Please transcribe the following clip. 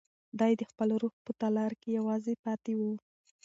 دی د خپل روح په تالار کې یوازې پاتې و.